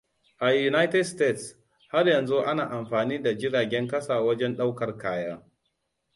A Unites States, har yanzu ana amfani da jiragen ƙasa wajen ɗaukar kaya.